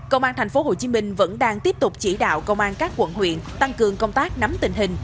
công an thành phố hồ chí minh vẫn đang tiếp tục chỉ đạo công an các quận huyện tăng cường công tác nắm tình hình